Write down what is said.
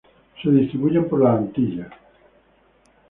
Se distribuyen por las Antillas.